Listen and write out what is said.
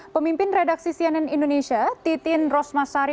pemimpin redaksi cnn indonesia titin rosmasari